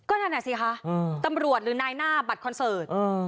ก็นั่นแหละสิค่ะอือตำรวจหรือนายหน้าบัตรคอนเสิร์ทอืม